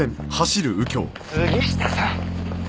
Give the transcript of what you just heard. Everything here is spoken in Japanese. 杉下さん！